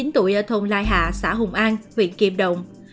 bốn mươi chín tuổi ở thùng lai hạ xã hùng an huyện kim động